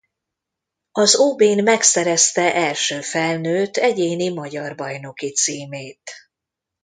Az ob-n megszerezte első felnőtt egyéni magyar bajnoki címét.